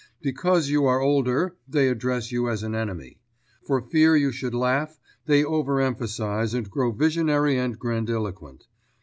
Because you are older, they address you as an enemy. For fear you should laugh, they over emphasize and grow visionary and grandiloquent.